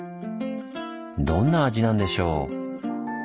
どんな味なんでしょう？